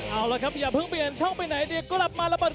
เอาละครับอย่าเพิ่งเปลี่ยนช่องไปไหนเดี๋ยวก็หลับมาแล้วปัดประตู